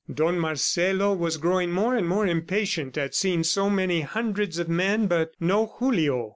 Don Marcelo was growing more and more impatient at seeing so many hundreds of men, but no Julio.